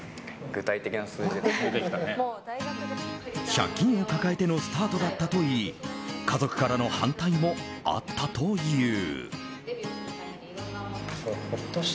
借金を抱えてのスタートだったといい家族からの反対もあったという。